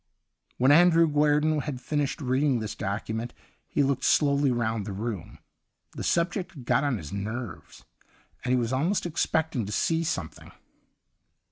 When Andrew Guerdon had finished reading this document, he looked slowly round the room. The subject had got on his nerves, and he was almost expecting to see •something.